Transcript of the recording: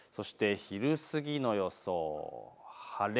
そして昼過ぎの予想、晴れ。